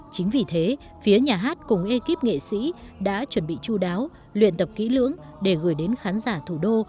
chính vì thế phía nhà hát cùng ekip nghệ sĩ đã chuẩn bị chú đáo luyện tập kỹ lưỡng để gửi đến khán giả thủ đô